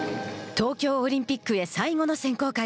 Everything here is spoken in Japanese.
東京オリンピックへの最後の選考会。